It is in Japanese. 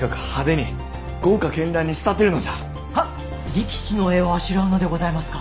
力士の絵をあしらうのでございますか！？